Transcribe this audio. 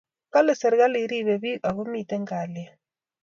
Kale serkalit ribe pik ako miten kalyet